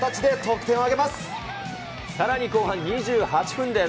さらに後半２８分です。